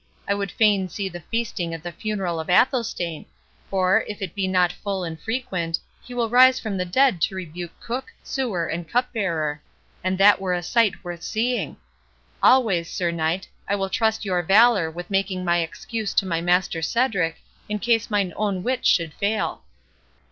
I would fain see the feasting at the funeral of Athelstane; for, if it be not full and frequent, he will rise from the dead to rebuke cook, sewer, and cupbearer; and that were a sight worth seeing. Always, Sir Knight, I will trust your valour with making my excuse to my master Cedric, in case mine own wit should fail."